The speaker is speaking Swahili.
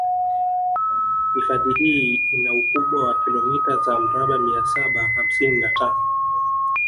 Hifadhi hii ina ukubwa wa kilomita za mraba mia saba hamsini na tano